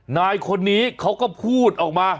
นายคนนี้เขาก็พูดออกมา